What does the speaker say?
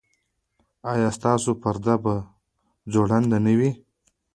ایا ستاسو پرده به ځوړنده نه وي؟